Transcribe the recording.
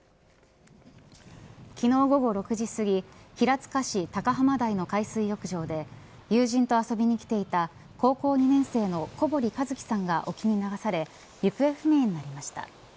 昨日午後６時すぎ平塚市高浜台の海水浴場で友人と遊びに来ていた高校２年生の小堀一騎さんが沖に流され行方不明になりました。